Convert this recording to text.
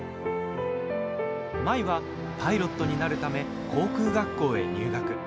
舞はパイロットになるため航空学校へ入学。